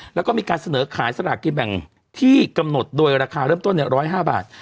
แล้วก็มีการเสนอขายสลากกินแบ่งที่กำหนดโดยราคาเริ่มต้น๑๐๕บาท